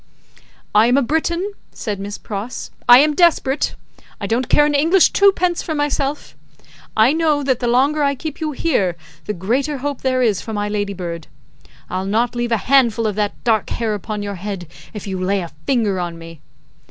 "I am a Briton," said Miss Pross, "I am desperate. I don't care an English Twopence for myself. I know that the longer I keep you here, the greater hope there is for my Ladybird. I'll not leave a handful of that dark hair upon your head, if you lay a finger on me!"